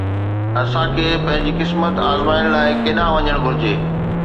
اسان کي پنهنجي قسمت آزمائڻ لاءِ ڪيڏانهن وڃڻ گهرجي؟